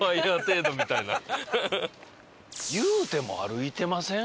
言うても歩いてません？